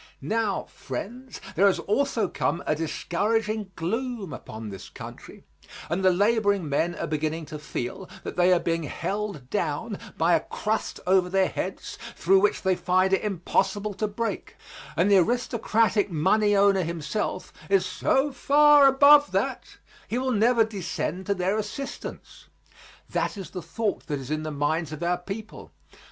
Now, friends, there has also come a discouraging gloom upon this country and the laboring men are beginning to feel that they are being held down by a crust over their heads through which they find it impossible to break, and the aristocratic money owner himself is so far above that he will never descend to their assistance. That is the thought that is in the minds of our people.